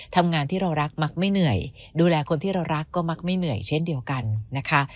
ทำงานที่เรารักมักไม่เหนื่อยดูแลคนที่เรารักก็มักไม่เหนื่อยเช่นเดียวกันนะคะ